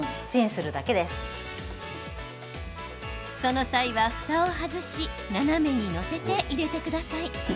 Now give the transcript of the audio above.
その際は、ふたを外し斜めに載せて入れてください。